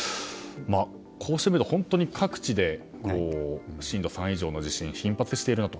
こうして見ると本当に各地で震度３以上の地震が頻発しているなと。